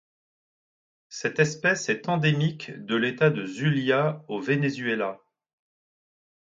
Cette espèce est endémique de l'État de Zulia au Venezuela.